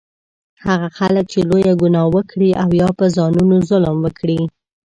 هغه خلک چې لویه ګناه وکړي او یا په ځانونو ظلم وکړي